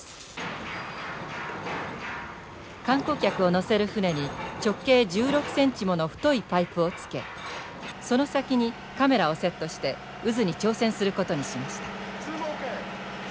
観光客を乗せる船に直径１６ｃｍもの太いパイプをつけその先にカメラをセットして渦に挑戦することにしました。